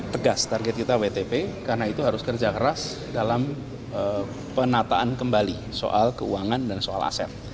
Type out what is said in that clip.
tegas target kita wtp karena itu harus kerja keras dalam penataan kembali soal keuangan dan soal aset